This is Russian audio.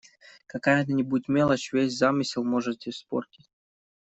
Какая-нибудь мелочь, весь замысел может испортить!